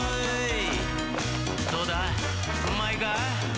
「どうだ？うまいか？」